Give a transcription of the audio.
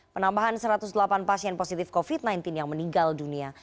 penambahan satu ratus delapan pasien positif covid sembilan belas yang meninggal dunia